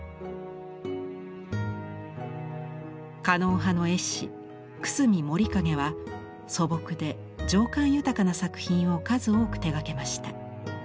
狩野派の絵師久隅守景は素朴で情感豊かな作品を数多く手がけました。